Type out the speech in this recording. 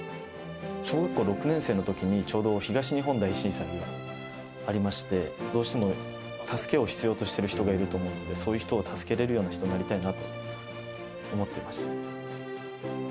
小学校６年生のときに、ちょうど東日本大震災がありまして、どうしても助けを必要としている人がいると思うので、そういう人を助けれるような人になりたいなと思ってました。